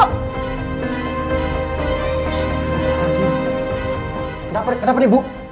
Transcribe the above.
kenapa nih bu